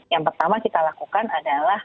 yang pertama kita lakukan adalah